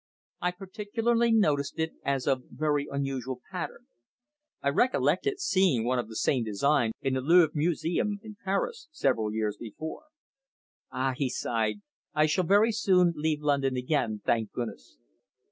I particularly noticed it as of very unusual pattern. I recollected seeing one of the same design in the Louvre Museum in Paris several years before. "Ah!" he sighed. "I shall very soon leave London again thank goodness!